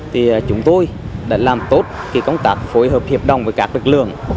thì chúng tôi đã làm tốt công tác phối hợp hiệp đồng với các lực lượng